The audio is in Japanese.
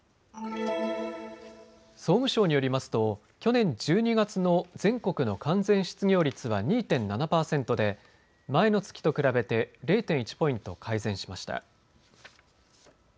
総務省によりますと去年１２月の全国の完全失業率は２．７％で前の月と比べて０．１ポイント改善しました。